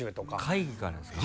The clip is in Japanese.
会議からですか？